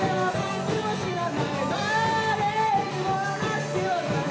「誰にも話す気はない？